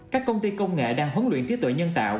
các công ty công nghệ đang huấn luyện trí tuệ nhân tạo